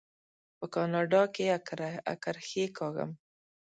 په کاناډا کې اکرښې کاږم.